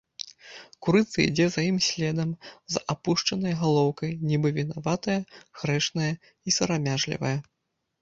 Курыца ідзе за ім следам з апушчанай галоўкай, нібы вінаватая, грэшная і сарамяжлівая.